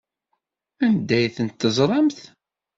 Anda ay tt-teẓramt?